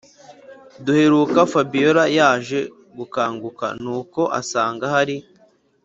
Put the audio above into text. duheruka fabiora yaje gukanguka nuko asanga hari